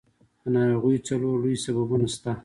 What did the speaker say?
د ناروغیو څلور لوی سببونه شته.